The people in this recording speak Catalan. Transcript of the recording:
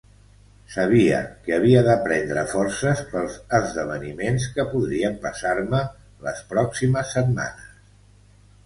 Sabia que havia de prendre forces pels esdeveniments que podrien passar-me les pròximes setmanes.